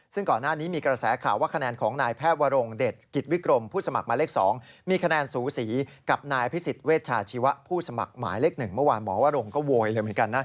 ซึ่งก่อนหน้านี้มีกระแสข่าวว่าคะแนนของนายแพทย์วรงเดชกิจวิกรมผู้สมัครหมายเลข๒มีคะแนนสูสีกับนายพิสิทธิเวชาชีวะผู้สมัครหมายเลข๑เมื่อวานหมอวรงก็โวยเลยเหมือนกันนะ